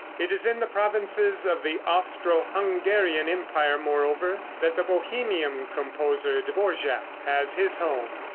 It is in the provinces of the Austro Hungarian empire, moreover, that the Bohemian composer, Dvorak, has his home.